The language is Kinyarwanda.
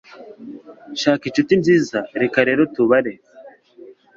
Shaka inshuti nziza Reka rero tubare